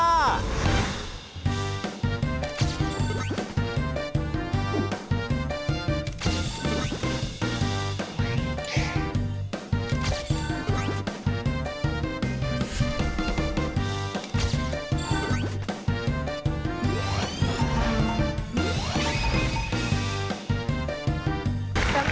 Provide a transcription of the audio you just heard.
ยินดีต้อนรับ